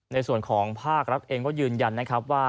ในส่วนของภาครัฐเองก็ยืนยันนะครับว่า